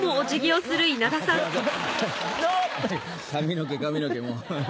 髪の毛髪の毛。